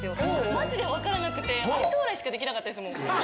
まじで分からなくて、愛想笑いしかできなかったですもん。